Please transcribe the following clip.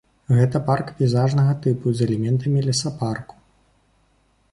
Гэта парк пейзажнага тыпу з элементамі лесапарку.